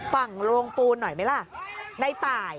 ฝั่งโรงปูนหน่อยไหมล่ะ